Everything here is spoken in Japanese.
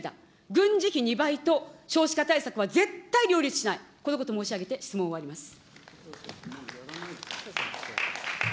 軍事費２倍と少子化対策は絶対両立しない、このこと申し上げて質問を終わります。